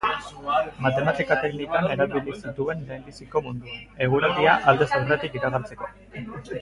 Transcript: Matematika-teknikak erabili zituen lehenbizikoz munduan, eguraldia aldez aurretik iragartzeko.